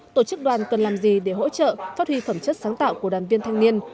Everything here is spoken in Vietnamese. tổ chức đoàn cần làm gì để hỗ trợ phát huy phẩm chất sáng tạo của đoàn viên thanh niên